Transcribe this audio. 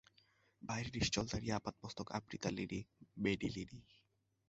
বাইরে নিশ্চল দাঁড়িয়ে আপাদমস্তক আবৃতা লেডি মেডিলিনী!